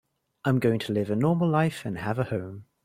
I'm going to live a normal life and have a home.